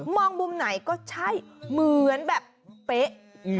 องมุมไหนก็ใช่เหมือนแบบเป๊ะ